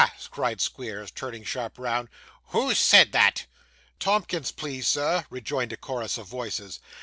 cried Squeers, turning sharp round. 'Who said that?' 'Tomkins, please sir,' rejoined a chorus of voices.